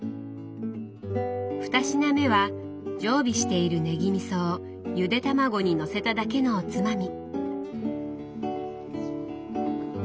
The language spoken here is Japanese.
二品目は常備しているねぎみそをゆで卵にのせただけのおつまみ。